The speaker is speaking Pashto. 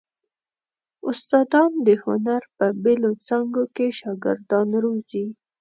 استادان د هنر په بېلو څانګو کې شاګردان روزي.